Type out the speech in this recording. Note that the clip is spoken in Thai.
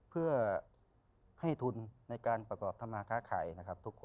เพื่อให้ทุนในการประกอบธรรมาค้าขายนะครับทุกคน